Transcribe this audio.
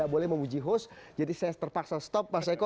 boleh kita breaks supaya caranya lebih machted